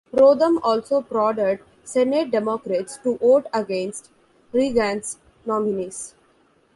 Rodham also prodded Senate Democrats to vote against Reagan's nominees.